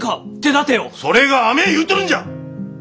それが甘え言うとるんじゃ！